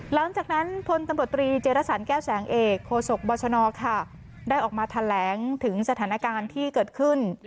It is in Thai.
หลังจากนั้นพลตำรวจตรีเจรสันแก้วแสงเอกโคศกบชนค่ะได้ออกมาแถลงถึงสถานการณ์ที่เกิดขึ้น